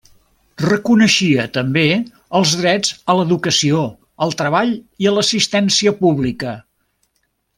Reconeixia també els drets a l'educació, al treball i a l'assistència pública.